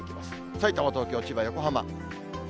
さいたま、東京、千葉、横浜。